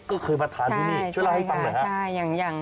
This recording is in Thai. ก็เคยมาทานด้วยนี่ช่วยล่าให้ฟังหน่อยครับใช่อย่าง